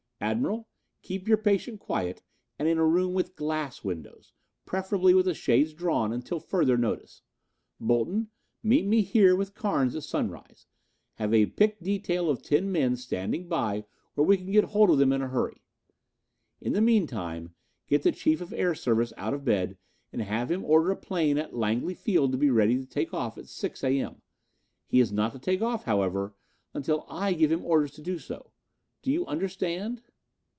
Admiral, keep your patient quiet and in a room with glass windows, preferably with the shades drawn, until further notice. Bolton, meet me here with Carnes at sunrise. Have a picked detail of ten men standing by where we can get hold of them in a hurry. In the mean time, get the Chief of Air Service out of bed and have him order a plane at Langley Field to be ready to take off at 6 A. M. He is not to take off, however, until I give him orders to do so. Do you understand?"